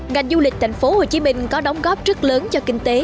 ngành du lịch thành phố hồ chí minh có đóng góp rất lớn cho kinh tế